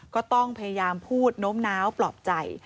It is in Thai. ก็ต้องพยายามพูดโน้มน้าวปลอบใจ